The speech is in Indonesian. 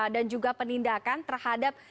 dan juga penindakan terhadap